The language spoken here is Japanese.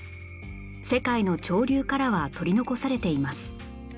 世界の潮流からは取り残されています